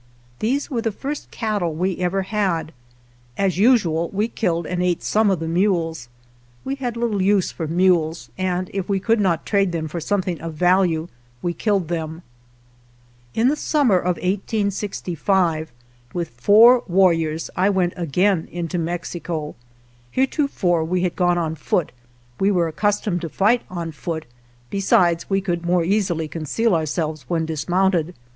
These were the first cattle we ever had. As usual we killed and ate some of the mules. We had little use for mules, and 76 SUCCESSFUL RAIDS if we could not trade them for something of value, we killed them. In the summer of 1865, with four war riors, I went again into Mexico. Hereto fore we had gone on foot; we were accus tomed to fight on foot; besides, we could more easily conceal ourselves when dis mounted.